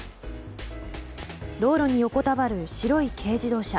道路に横たわる白い軽自動車。